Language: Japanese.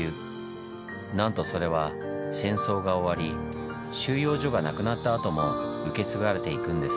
なんとそれは戦争が終わり収容所がなくなったあとも受け継がれていくんです。